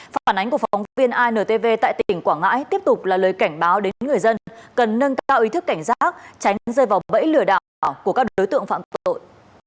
phản ánh của phóng viên intv tại tỉnh quảng ngãi tiếp tục là lời cảnh báo đến người dân cần nâng cao ý thức cảnh giác tránh rơi vào bẫy lừa đảo ảo của các đối tượng phạm tội